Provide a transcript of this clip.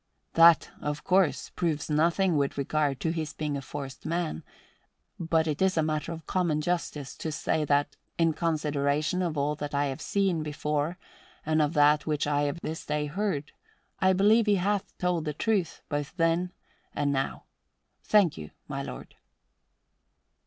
That, of course, proves nothing with regard to his being a forced man; but it is a matter of common justice to say that, in consideration of all that I have seen before and of that which I have this day heard, I believe he hath told the truth both then and now. Thank you, my lord."